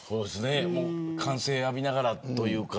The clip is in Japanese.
歓声浴びながらというか